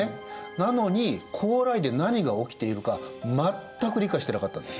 なのに高麗で何が起きているか全く理解してなかったんです。